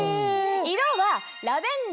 色は。